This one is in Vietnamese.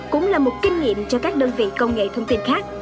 cũng là một kinh nghiệm cho các đơn vị công nghệ thông tin khác